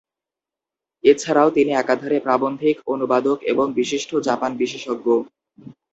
এ ছাড়াও তিনি একাধারে প্রাবন্ধিক, অনুবাদক এবং বিশিষ্ট জাপান-বিশেষজ্ঞ।